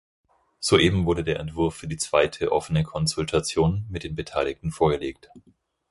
Soeben wurde der Entwurf für die zweite offene Konsultation mit den Beteiligten vorgelegt.